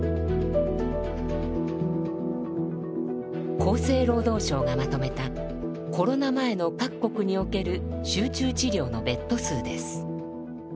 厚生労働省がまとめたコロナ前の各国における集中治療のベッド数です。